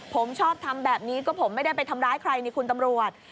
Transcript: ผมชอบทำแบบนี้ก็ผมไม่ได้ไปทำร้ายใครนี่คุณตำรวจ